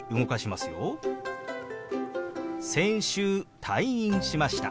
「先週退院しました」。